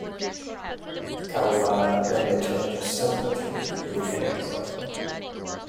Kawabata again returned to "Snow Country" near the end of his life.